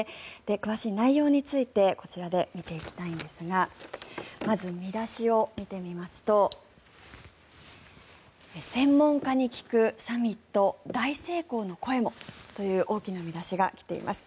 詳しい内容についてこちらで見ていきたいんですがまず見出しを見てみますと「専門家に聞くサミット“大成功”の声も」という大きな見出しが来ています。